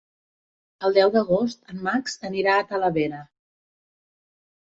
El deu d'agost en Max anirà a Talavera.